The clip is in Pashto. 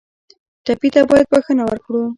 ټپي ته باید بښنه ورکړو.